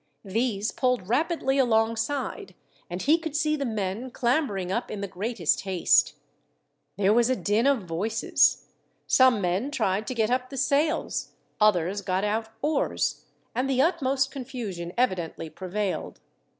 These pulled rapidly alongside, and he could see the men clambering up in the greatest haste. There was a din of voices. Some men tried to get up the sails, others got out oars, and the utmost confusion evidently prevailed.